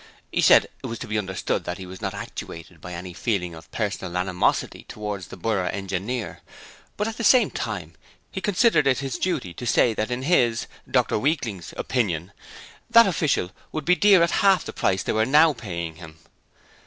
He wished it to be understood that he was not actuated by any feeling of personal animosity towards the Borough Engineer, but at the same time he considered it his duty to say that in his (Dr Weakling's) opinion, that official would be dear at half the price they were now paying him.